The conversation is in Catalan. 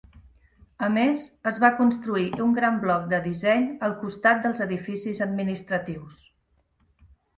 A més, es va construir un gran bloc de disseny al costat dels edificis administratius.